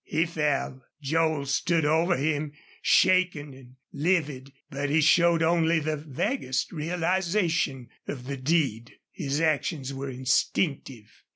He fell. Joel stood over him, shaking and livid, but he showed only the vaguest realization of the deed. His actions were instinctive.